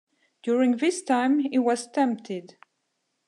During this time he was tempted.